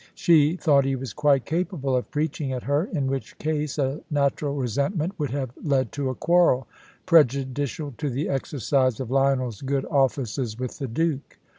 She thought he was quite capable of preaching at her, in which case a natural resentment would have led to a quarrel, prejudicial to the exercise of Lionel's good offices with the Duke.